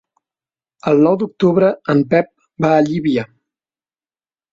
El nou d'octubre en Pep va a Llívia.